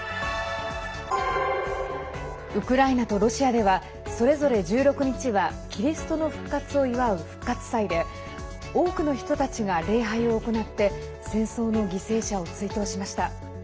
ウクライナとロシアではそれぞれ１６日はキリストの復活を祝う復活祭で多くの人たちが礼拝を行って戦争の犠牲者を追悼しました。